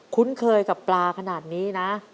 คุ้นเคยกับปลาขนาดนี้นะ